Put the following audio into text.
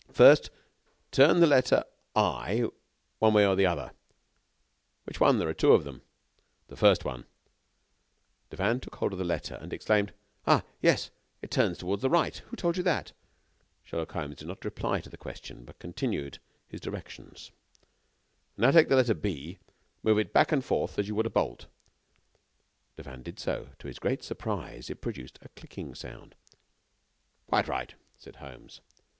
"First, turn the letter I one way or the other." "Which one? There are two of them." "The first one." Devanne took hold of the letter, and exclaimed: "Ah! yes, it turns toward the right. Who told you that?" Sherlock Holmes did not reply to the question, but continued his directions: "Now, take the letter B. Move it back and forth as you would a bolt." Devanne did so, and, to his great surprise, it produced a clicking sound. "Quite right," said Holmes.